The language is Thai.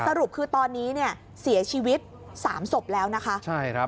สรุปคือตอนนี้เสียชีวิต๓ศพแล้วนะคะ